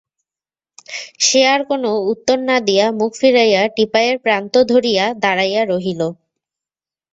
সে আর কোনো উত্তর না দিয়া মুখ ফিরাইয়া টিপাইয়ের প্রান্ত ধরিয়া দাঁড়াইয়া রহিল।